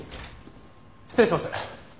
失礼します。